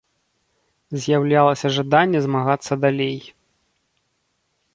З'яўлялася жаданне змагацца далей.